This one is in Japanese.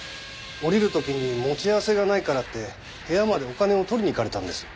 降りる時に持ち合わせがないからって部屋までお金を取りに行かれたんです。